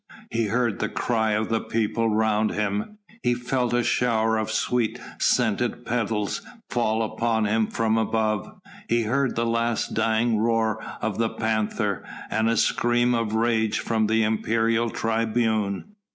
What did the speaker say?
He heard the cry of the people round him, he felt a shower of sweet scented petals fall upon him from above, he heard the last dying roar of the panther and a scream of rage from the imperial tribune.